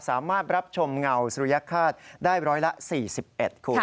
สามารถรับชมเงาสุริยฆาตได้ร้อยละ๔๑คุณ